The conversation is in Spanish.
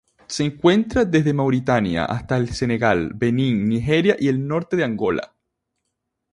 Se encuentra desde Mauritania hasta el Senegal, Benín, Nigeria y el norte de Angola.